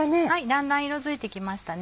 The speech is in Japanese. だんだん色づいてきましたね。